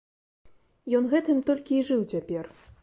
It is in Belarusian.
Ён гэтым толькі і жыў цяпер.